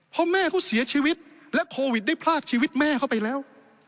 พ่อแม่เขาเสียชีวิตและโควิดได้พลากชีวิตแม่เข้าไปแล้ว